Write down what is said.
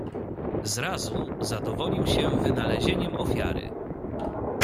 "Zrazu zadowolił się wynalezieniem ofiary."